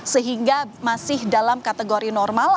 sehingga masih dalam kategori normal